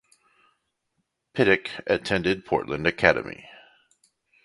Pittock attended Portland Academy.